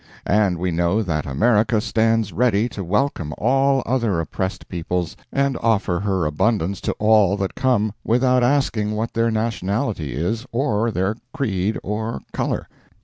And we know that America stands ready to welcome all other oppressed peoples and offer her abundance to all that come, without asking what their nationality is, or their creed or color.